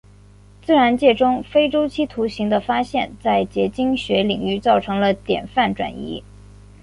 自然界中非周期图形的发现在结晶学领域造成了典范转移。